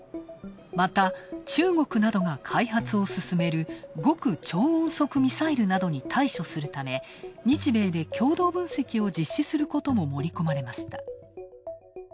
また、中国などが開発を進める極超音速ミサイルなどに対処するため、日米で共同分析を実施することも盛り込まれました。